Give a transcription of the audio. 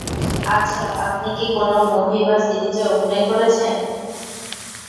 আচ্ছা, আপনি কি কোনো মুভি বা সিরিজে অভিনয় করেছেন?